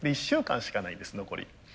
１週間しかないんです残り。